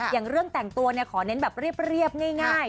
อย่างเรื่องแต่งตัวขอเน้นแบบเรียบง่าย